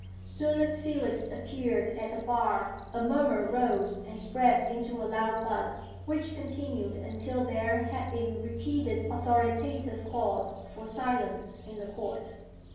Soon as Felix appeared at the bar, a murmur rose and spread into a loud buzz, which continued until there had been repeated authoritative calls for silence in the Court.